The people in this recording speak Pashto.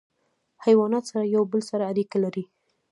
حیوانات سره یو بل سره اړیکه لري.